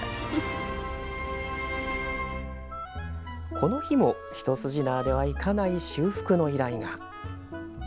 この日も一筋縄ではいかない修復の依頼が。